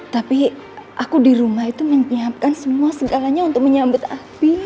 tapi aku di rumah itu menyiapkan semua segalanya untuk menyambut api